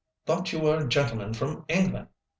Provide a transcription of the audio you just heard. Thought you were a gentleman from England.